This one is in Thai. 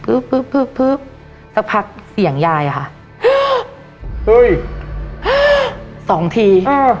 พึ๊บพึ๊บพึ๊บพึ๊บสักพักเสียงยายอ่ะค่ะเฮ้ยสองทีอืม